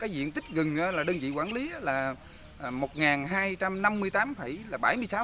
diện tích rừng đơn vị quản lý là một hai trăm năm mươi tám bảy mươi sáu ha